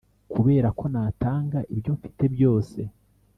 kuberako natanga ibyo mfite byose